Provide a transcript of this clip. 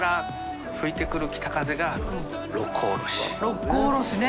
六甲おろしね。